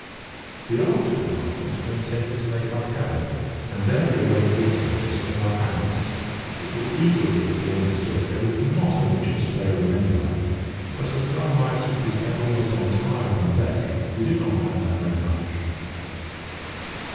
The after compartment we intended to make our cabin, and there we arranged also to sling our hammocks. It will easily be understood that there was not an inch of spare room anywhere; but as our lives would be spent almost entirely on deck, we did not mind that very much.